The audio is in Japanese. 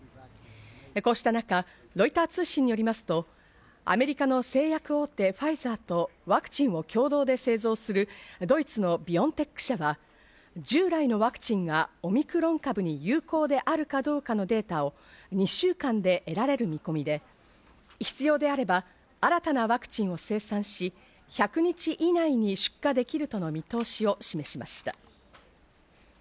こうした中、ロイター通信によりますと、アメリカの製薬大手ファイザーとワクチンを共同で製造するドイツのビオンテック社は従来のワクチンはオミクロン株に有効であるかどうかのデータを２週間で得られる見込みで、必要であれば新たなワクチンを生産し、１００日以内に出荷できるとの見通しを示しました。